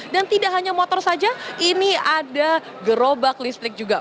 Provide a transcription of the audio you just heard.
dan tidak hanya motor saja ini ada gerobak listrik juga